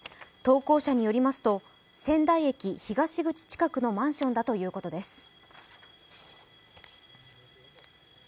投稿者によりますと、仙台駅東口近くのマンションだということです。